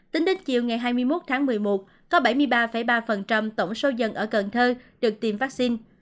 tính đến chiều ngày hai mươi một tháng một mươi một có bảy mươi ba ba tổng số dân ở cần thơ được tiêm vaccine